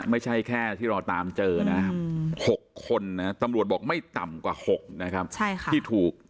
ไม่ใช่แค่ที่เราตามเจอนะ๖คนนะตำรวจบอกไม่ต่ำกว่า๖นะครับที่ถูก